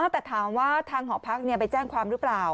แต่ถามว่าทางหอพักไปแจ้งความหรือเปล่า